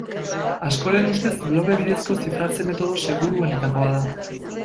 Askoren ustez bloke bidezko zifratze metodo seguruenetakoa da.